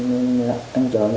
để tìm chơi